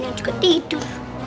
yang juga tidur